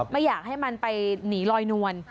ไม่อยากให้มันไปหนีลอยนวล